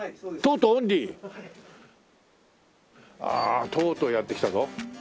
ああとうとうやって来たぞ。